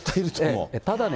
ただね。